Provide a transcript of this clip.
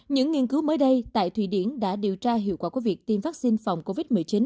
những nghiên cứu mới đây tại thụy điển đã điều tra hiệu quả của việc tiêm vaccine phòng covid một mươi chín